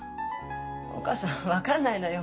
お母さん分かんないのよ。